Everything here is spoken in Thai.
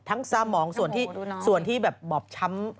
ทั้งซ่อมองส่วนที่แบบบอบช้ำ